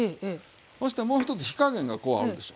ほしてもう一つ火加減がこうあるでしょ。